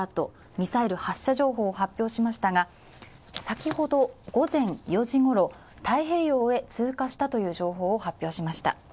ミサイル発射情報を発表しましたが、先ほど午前４時ごろ、太平洋へ通過したという情報を発表しました。